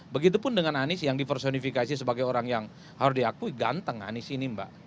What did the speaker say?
begitupun dengan anies yang dipersonifikasi sebagai orang yang harus diakui ganteng anies ini mbak